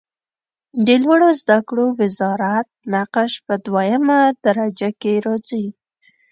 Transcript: د لوړو زده کړو وزارت نقش په دویمه درجه کې راځي.